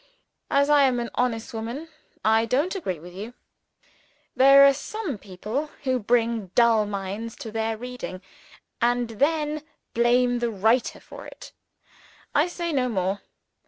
As I am an honest woman, I don't agree with you. There are some people who bring dull minds to their reading and then blame the writer for it. I say no more.